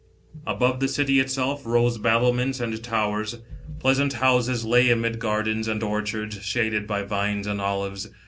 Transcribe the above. Above tlie city itself rose battlements and towers. Pleasant houses lay amid gardens and orchards, shaded by vines and olives.